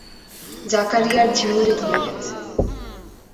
জাকারিয়ার ঝিমুনি ধরে গেছে।